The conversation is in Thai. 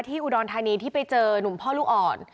อุดรธานีที่ไปเจอนุ่มพ่อลูกอ่อน